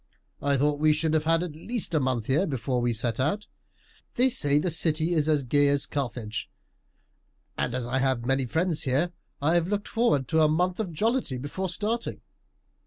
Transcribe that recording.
"I thought we should have had at least a month here before we set out. They say the city is as gay as Carthage; and as I have many friends here I have looked forward to a month of jollity before starting.